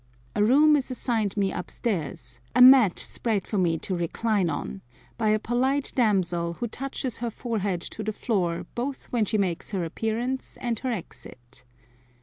A room is assigned me upstairs, a mat spread for me to recline on, by a polite damsel, who touches her forehead to the floor both when she makes her appearance and her exit.